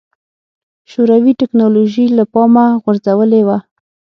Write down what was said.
شوروي ټکنالوژي له پامه غورځولې وه.